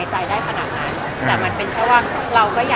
อันภาโลวันนี้เลยอันภาลวันนี้เลยอ่า